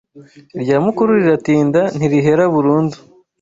Irya mukuru riratinda ntirihera burundu